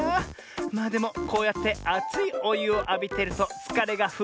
まあでもこうやってあついおゆをあびてるとつかれがふっとぶのミズ」。